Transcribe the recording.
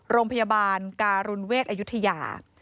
โรงพยาบาลการุณเวชยุฒิญา